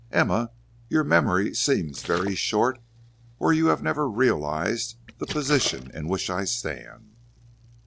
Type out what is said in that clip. Emma, your memory seems very short, or you have never realized the position in which I stand."